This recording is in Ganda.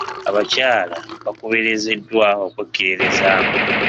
Abakyala baakubiriziddwa okwekkiririzaamu.